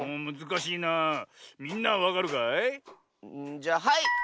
じゃはい！